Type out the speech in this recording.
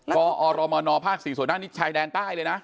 กอรมนภ๔ส่วนด้านนี้ชายแดนใต้เลยนะ